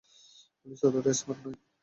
Police ততটা smart নয়।